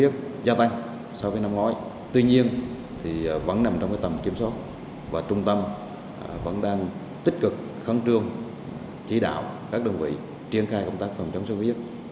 trung tâm vẫn đang tích cực khẩn trương chỉ đạo các đơn vị triển khai công tác phòng chống xuất huyết